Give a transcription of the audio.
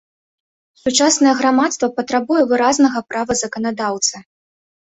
Сучаснае грамадства патрабуе выразнага права заканадаўцы.